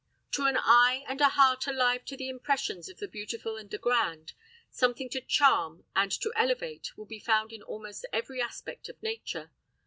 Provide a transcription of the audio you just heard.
To an eye and a heart alive to the impressions of the beautiful and the grand, something to charm and to elevate will be found in almost every aspect of nature.